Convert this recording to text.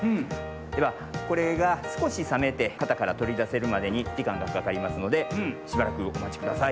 ではこれがすこしさめてかたからとりだせるまでにじかんがかかりますのでしばらくおまちください。